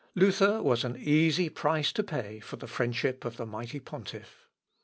Luther was an easy price to pay for the friendship of the mighty pontiff.